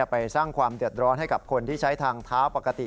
ไปสร้างความเดือดร้อนให้กับคนที่ใช้ทางเท้าปกติ